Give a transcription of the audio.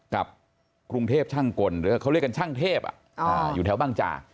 กับกรุงเทพช่างกลหรือเขาเรียกกันช่างเทพอยู่แถวบางจาก